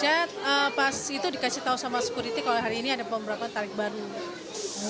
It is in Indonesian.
saya pas itu dikasih tahu sama sekuriti kalau hari ini ada pemberlakuan tarif baru